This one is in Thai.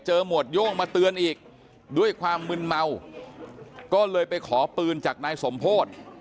หมวดโย่งมาเตือนอีกด้วยความมึนเมาก็เลยไปขอปืนจากนายสมโพธิ